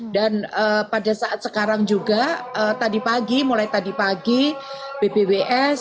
dan pada saat sekarang juga tadi pagi mulai tadi pagi bbws